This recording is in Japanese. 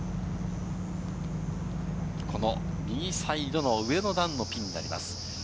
右サイドの上の段のピンになります。